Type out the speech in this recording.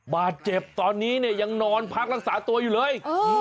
บาดเจ็บตอนนี้เนี่ยยังนอนพักรักษาตัวอยู่เลย